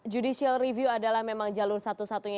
judicial review adalah memang jalur satu satunya